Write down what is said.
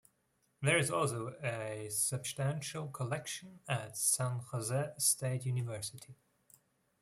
There is also a substantial collection at San Jose State University.